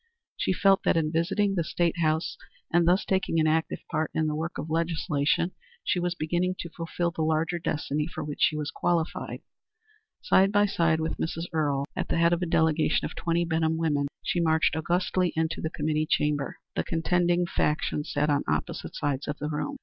She felt that in visiting the state house and thus taking an active part in the work of legislation she was beginning to fulfil the larger destiny for which she was qualified. Side by side with Mrs. Earle at the head of a delegation of twenty Benham women she marched augustly into the committee chamber. The contending factions sat on opposite sides of the room.